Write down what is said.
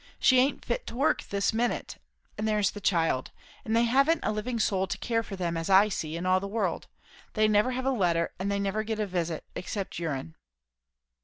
She aint fit to work, this minute. And there's the child; and they haven't a living soul to care for them, as I see, in all the world. They never have a letter, and they never get a visit, except your'n."